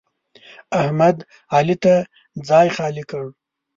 احمد؛ علي ته ځای خالي کړ.